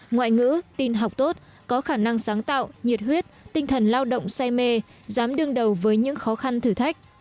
ngoại ngữ tin học tốt có khả năng sáng tạo nhiệt huyết tinh thần lao động say mê dám đương đầu với những khó khăn thử thách